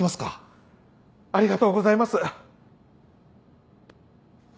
ありがとうございます。